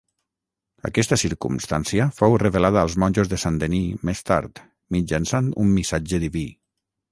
Aquesta circumstància fou revelada als monjos de Saint-Denis més tard, mitjançant un missatge diví.